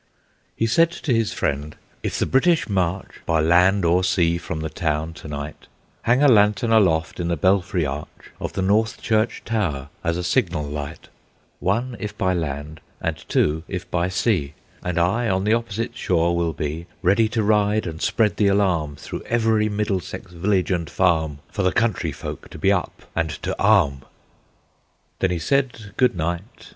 He said to his friend, "If the British march By land or sea from the town to night, Hang a lantern aloft in the belfry arch Of the North Church tower as a signal light, One, if by land, and two, if by sea; And I on the opposite shore will be, Ready to ride and spread the alarm Through every Middlesex village and farm, For the country folk to be up and to arm." Then he said, "Good night!"